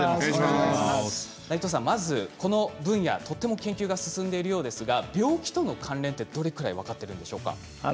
まず、この分野、とても研究が進んでいるようですが病気との関連はどれぐらい分かっていますか？